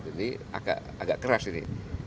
jadi agak keras ini